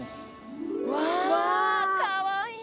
うわかわいい！